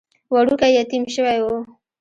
وړوکی يتيم شوی و.